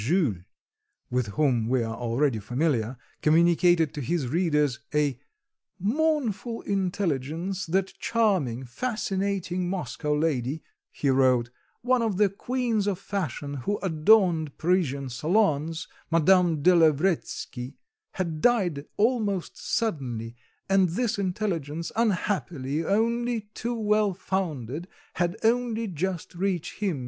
Jules, with whom we are already familiar, communicated to his readers a "mournful intelligence, that charming, fascinating Moscow lady," he wrote, "one of the queens of fashion, who adorned Parisian salons, Madame de Lavretsky, had died almost suddenly, and this intelligence, unhappily only too well founded, had only just reached him, M.